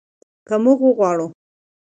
که موږ وغواړو.